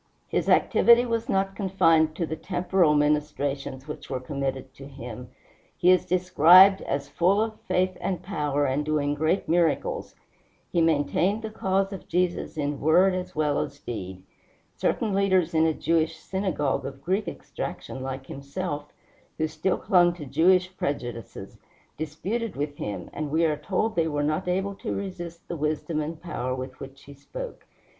His activity was not confined to the temporal ministrations which were committed to him. He is described as "full of faith and power, and doing great miracles." He maintained the cause of Jesus in word as well as deed. Certain leaders in a Jewish synagogue, of Greek extraction like himself, who still clung to Jewish prejudices, disputed with him, and we are told they were not able to resist the wisdom and power with which he spoke.